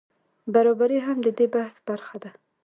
برابري هم د دې بحث برخه ده.